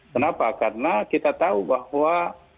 kenapa karena kita tahu bahwa